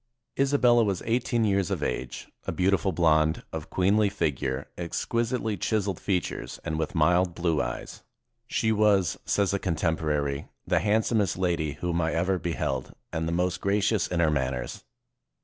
Isabella was eighteen years of age, a beautiful blonde, of queenly figure, exquisitely chis eled features, and with mild blue eyes. "She was," says a contemporary, "the handsomest lady whom I ever beheld, and the most gracious in her manners."